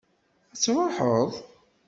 Ad truḥeḍ?